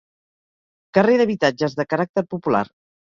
Carrer d'habitatges de caràcter popular.